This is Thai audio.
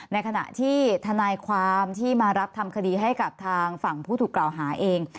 ในขณะที่ทนายความที่มารับทำคดีให้กับทางฝั่งผู้ถูกกล่าวหาเอง